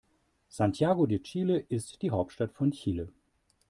Santiago de Chile ist die Hauptstadt von Chile.